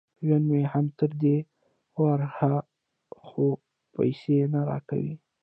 ژوند مې هم تر دې ور ها خوا پیسې نه را کوي